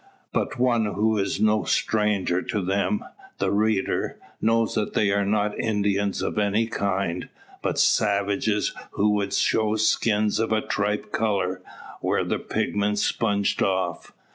But one who is no stranger to them the reader knows they are not Indians of any kind, but savages who would show skins of a tripe colour, were the pigment sponged off.